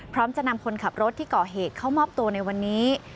พร้อมจะนำคนขับรถที่ก่อเหตุเข้ามอบตัวในวันนี้